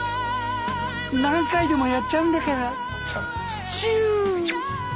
何回でもやっちゃうんだからチュー！